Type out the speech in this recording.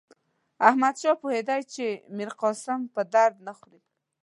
احمدشاه پوهېدی چې میرقاسم په درد نه خوري.